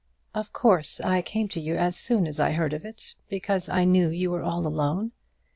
"Of course I came to you as soon as I heard of it, because I knew you were all alone.